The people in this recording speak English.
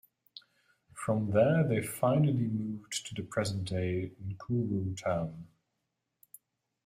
From there, they finally moved to the present-day Nkoroo town.